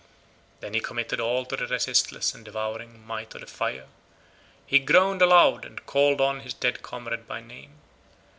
Then he committed all to the resistless and devouring might of the fire; he groaned aloud and called on his dead comrade by name.